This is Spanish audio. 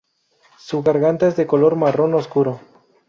Su garganta es de color marrón oscuro.